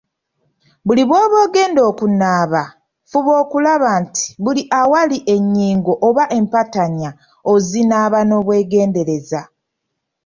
Buli lw'oba ng'ogenda okunaaba, fuba okulaba nti, buli awali ennyingo oba empataanya ozinaaba n'obwegendereza.